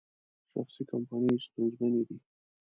شخصي کمپنۍ ستونزمنې دي.